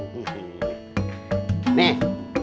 hitung apa tuh